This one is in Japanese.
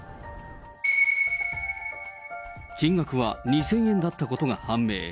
金額は２０００円だったことが判明。